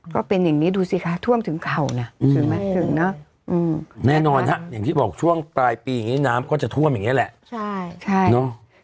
ก็เป็นอย่างนี้ดูสิคะท่วมถึงเข่านะถึงไหมถึงเนอะแน่นอนฮะอย่างที่บอกช่วงปลายปีอย่างนี้น้ำก็จะท่วมอย่างนี้แหละใช่ใช่เนอะ